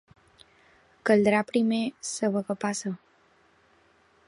Caldrà, primer, saber què passa.